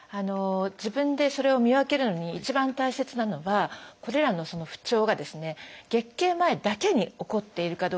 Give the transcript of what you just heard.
自分でそれを見分けるのに一番大切なのはこれらの不調が月経前だけに起こっているかどうか。